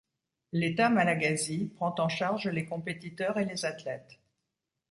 L’État malagasy prend en charge les compétiteurs et les athlètes.